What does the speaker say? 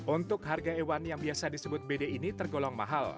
untuk harga hewan yang biasa disebut bd ini tergolong mahal